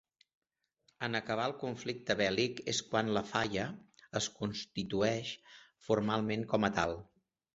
En acabar el conflicte bèl·lic és quan la falla es constituïx formalment com a tal.